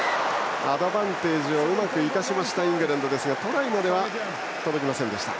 アドバンテージをうまく生かしたイングランドでしたがトライまでは届きませんでした。